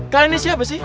kalian ini siapa sih